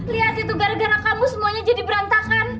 lihat itu gara gara kamu semuanya jadi berantakan